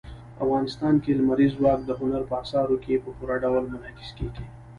افغانستان کې لمریز ځواک د هنر په اثارو کې په پوره ډول منعکس کېږي.